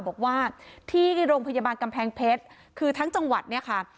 บอกว่าที่โรงพยาบาลกำแพงเพชรคือทั้งจังหวัดเนี่ยค่ะ